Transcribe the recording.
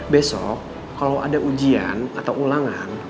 besok kalau ada ujian atau ulangan